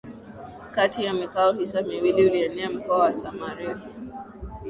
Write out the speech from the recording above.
Kati ya mikoa hiyo miwili ulienea mkoa wa Samaria